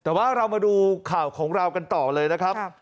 แต่ว่าเรามาดูข่าวของเรากันต่อเลยนะครับ